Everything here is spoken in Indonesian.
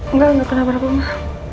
enggak enggak kena apa apa ma